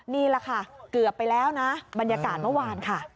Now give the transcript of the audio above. นี่แหละค่ะเกือบไปแล้วนะบรรยากาศเมื่อวานค่ะ